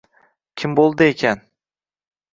Kim bo`ldi ekan